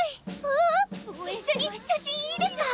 うわわ⁉一緒に写真いいですか？